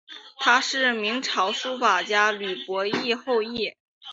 她是明朝书法家吕伯懿后裔。